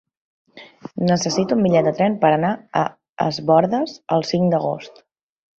Necessito un bitllet de tren per anar a Es Bòrdes el cinc d'agost.